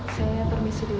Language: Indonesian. saya permisi dulu pak